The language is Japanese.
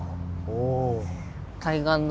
お。